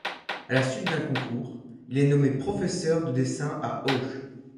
À la suite d'un concours, il est nommé professeur de dessin à Auch.